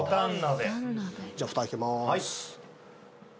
じゃあふた開けます。